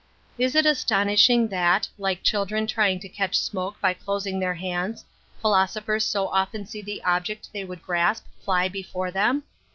Is it astonishing that, like children trying to catch smoke by closing their hands, philosophers so often see the object they would grasp fly before them?